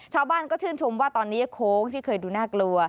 ชาวบ้านก็ชื่นชมว่าตอนนี้โค้งที่เคยดูน่ากลัว